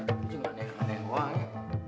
aku juga gak naik naik uang ya